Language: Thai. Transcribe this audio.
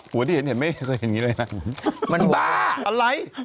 ที่เห็นเห็นไม่เห็นอย่างนี้เลยนะมันบ้าอะไร